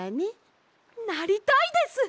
なりたいです！